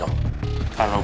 jangan sampai dia menang